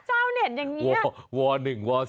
เจ้าเหน็นอย่างงี้